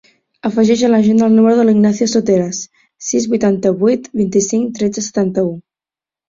Afegeix a l'agenda el número de l'Ignacio Soteras: sis, vuitanta-vuit, vint-i-cinc, tretze, setanta-u.